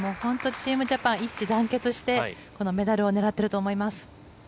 チームジャパン、一致団結してメダルを狙っていると思います。